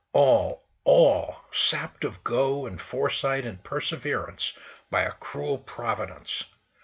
All, all sapped of go and foresight and perseverance by a cruel Providence!